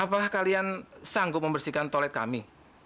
apakah kalian sanggup membersihkan toilet kami